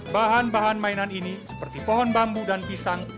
bahan bahan mainan ini seperti pohon bambu dan pisang